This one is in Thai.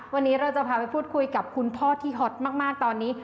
วันนี้เราจะพาไปพูดคุยกับคุณพ่อที่ฮอตมากตอนนี้